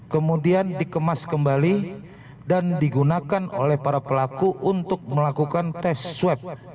kemudian dikemas kembali dan digunakan oleh para pelaku untuk melakukan tes swab